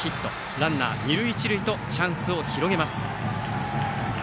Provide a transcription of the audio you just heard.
ランナー、二塁一塁とチャンスを広げます。